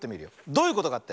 どういうことかって？